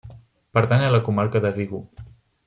Pertany a la comarca de Vigo.